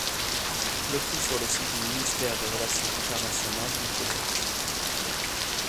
Le prix sur le site du Ministère des Relations internationales du Québec.